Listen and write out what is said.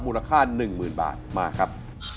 มูลค่าหนึ่งหมื่นบาทมาครับ